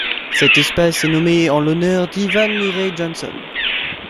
Cette espèce est nommée en l'honneur d'Ivan Murray Johnston.